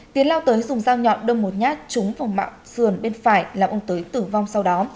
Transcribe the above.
tiến lao tới dùng dao nhọn đâm một nhát trúng vào mạng sườn bên phải làm ông tới tử vong sau đó